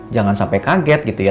jangan sampai kaget gitu ya